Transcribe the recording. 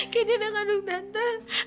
candy anak kandung tante